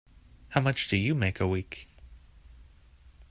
How much do you make a week?